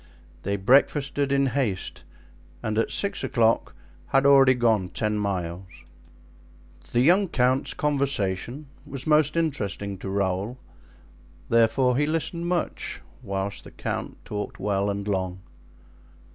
They breakfasted in haste, and at six o'clock had already gone ten miles. The young count's conversation was most interesting to Raoul, therefore he listened much, whilst the count talked well and long.